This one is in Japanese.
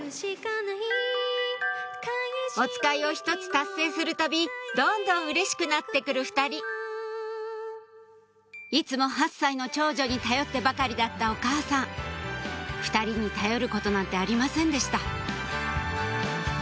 おつかいを１つ達成するたびどんどんうれしくなって来る２人いつも８歳の長女に頼ってばかりだったお母さん２人に頼ることなんてありませんでした